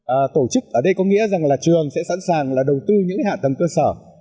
và tổ chức ở đây có nghĩa rằng là trường sẽ sẵn sàng là đầu tư những hạ tầng cơ sở